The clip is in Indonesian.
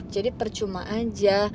jadi percuma aja